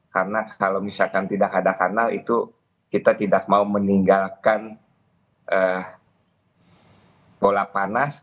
karena kalau misalkan tidak ada kanal itu kita tidak mau meninggalkan bola panas